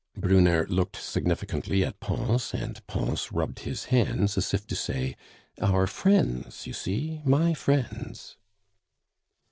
Brunner looked significantly at Pons, and Pons rubbed his hands as if to say, "Our friends, you see! My friends!"